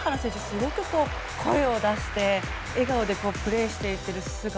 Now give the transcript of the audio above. すごく声を出して笑顔でプレーしている姿